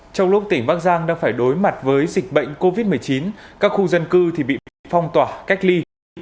trong lúc tỉnh bắc giang đang phải đối mặt với dịch bệnh covid một mươi chín các khu dân cư bị phong tỏa cách ly